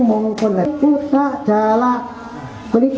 มือวานก็ไหนหมดแล้วเนี่ย